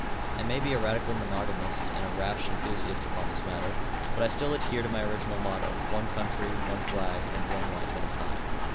I may be a radical monogamist and a rash enthusiast upon this matter, but I still adhere to my original motto, one country, one flag and one wife at a time.